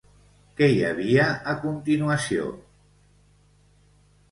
Què hi havia a continuació?